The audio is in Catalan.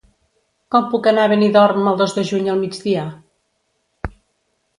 Com puc anar a Benidorm el dos de juny al migdia?